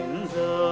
từ bầy đến dơ